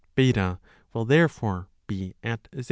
B will therefore be at Z.